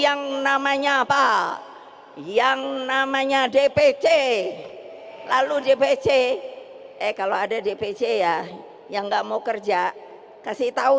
yang namanya apa yang namanya dpc lalu dpc eh kalau ada dpc ya yang nggak mau kerja kasih tahu